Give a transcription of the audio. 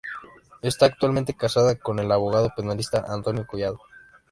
Esta actualmente casada con el abogado penalista Antonio Collado.